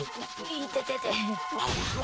いててて。